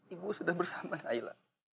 ibu sudah bersama naila